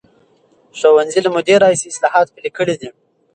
ښوونځي له مودې راهیسې اصلاحات پلي کړي دي.